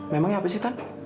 memangnya apa sih tan